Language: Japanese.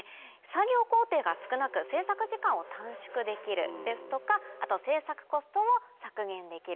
作業工程が少なく製作時間を短縮できるですとかあと製作コストを削減できる。